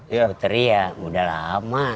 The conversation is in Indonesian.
es puteri ya udah lama